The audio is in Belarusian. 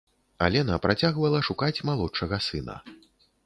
Алена працягвала шукаць малодшага сына.